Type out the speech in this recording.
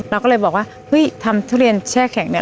เราก็เลยบอกว่าเฮ้ยทำทุเรียนแช่แข็งเนี่ย